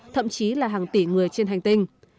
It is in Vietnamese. thậm chí là hàng tỷ người trên hành tinh